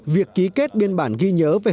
việc ký kết biên bản ghi nhớ về hợp tác nghề cao